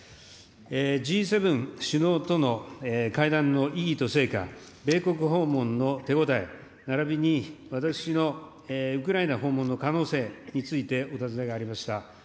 Ｇ７首脳との会談の意義と成果、米国訪問の手応え、ならびに私のウクライナ訪問の可能性についてお尋ねがありました。